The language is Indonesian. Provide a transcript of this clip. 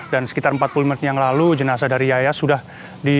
dan sekitar empat puluh lima menit yang lalu jenasa dari yayas sudah diidentifikasi